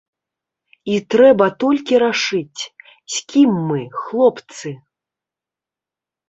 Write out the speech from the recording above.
І трэба толькі рашыць, з кім мы, хлопцы.